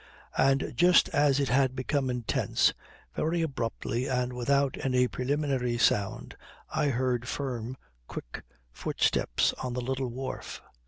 And just as it had become intense, very abruptly and without any preliminary sound I heard firm, quick footsteps on the little wharf.